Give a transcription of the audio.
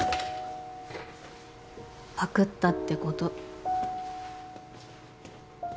パクったってこと。